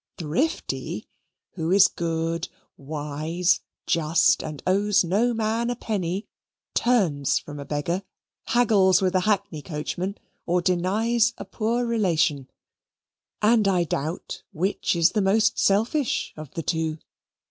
Thrifty, who is good, wise, just, and owes no man a penny, turns from a beggar, haggles with a hackney coachman, or denies a poor relation, and I doubt which is the most selfish of the two.